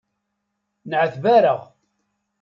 Nεetbareɣ.